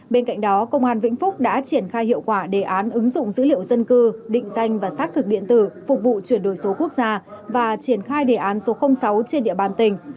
bên cạnh đó công an vĩnh phúc đã triển khai hiệu quả đề án ứng dụng dữ liệu dân cư định danh và xác thực điện tử phục vụ chuyển đổi số quốc gia và triển khai đề án số sáu trên địa bàn tỉnh